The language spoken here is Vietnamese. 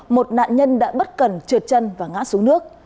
một nạn nhân đã bất cần trượt chân và ngã xuống nước